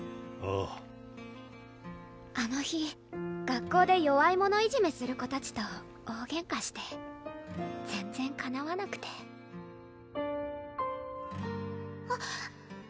ああの日学校で弱い者いじめする子たちと大ゲンカして全然かなわなくてあっ！